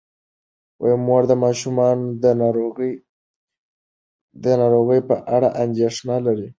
مور د ماشومانو د ناروغۍ په اړه اندیښنه لري.